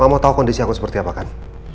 mama tau kondisi aku seperti apa kan